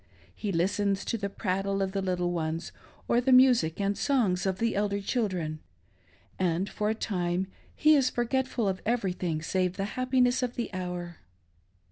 He listens to the prattle of the little ones, or the music and songs of the elder children ; and for a time he is forgetful of everything save the happiness of the hour.